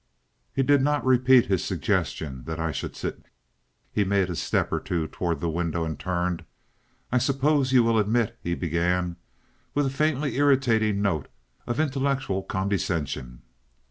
He did not repeat his suggestion that I should sit. He made a step or two toward the window and turned. "I suppose you will admit—" he began, with a faintly irritating note of intellectual condescension.